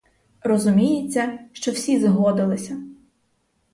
Розуміється, що всі згодилися.